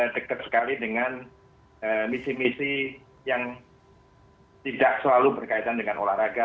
dekat sekali dengan misi misi yang tidak selalu berkaitan dengan olahraga